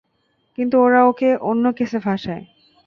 কিন্তু ওরা ওকে অন্য কেসে ফাঁসায়।